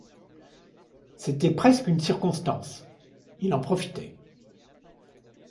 C’était presque une circonstance, il en profitait.